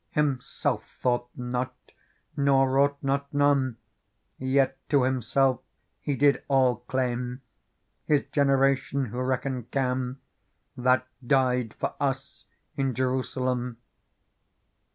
Himself thought not nor wrought not none. Yet to Himself He did all claim ; His generation who reckon can, That died for us in Jerusalem